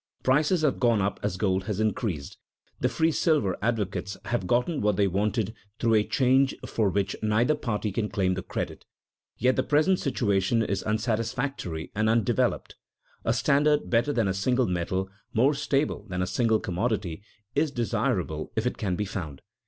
Prices have gone up as gold has increased. The free silver advocates have gotten what they wanted through a change for which neither party can claim the credit. Yet the present situation is unsatisfactory and undeveloped. A standard better than a single metal, more stable than a single commodity, is desirable if it can be found.